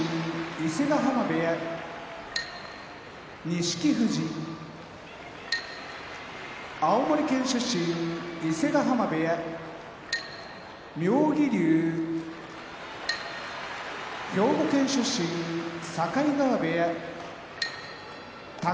伊勢ヶ濱部屋錦富士青森県出身伊勢ヶ濱部屋妙義龍兵庫県出身境川部屋宝